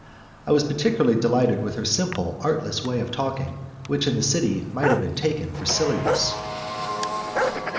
I was particularly delighted with her simple, artless way of talking, which in the city might have been taken for silliness.